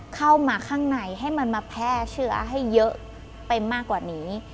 เข้ามาข้างในให้มันมาแพร่เชื้อให้เยอะไปมากกว่านี้